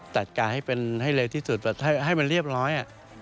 แต่การให้เป็นให้เร็วที่สุดให้มันเรียบร้อย